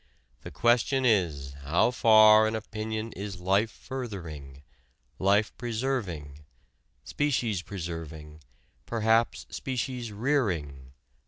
The question is, how far an opinion is life furthering, life preserving, species preserving, perhaps species rearing...."